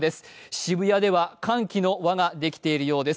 渋谷では歓喜の輪ができているようです。